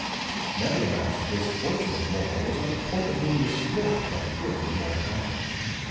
Nevertheless, this fortunate mortal was on the point of being destroyed by the fury of Mordicante.